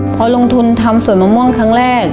พอลงทุนทำสวนมะม่วงครั้งแรก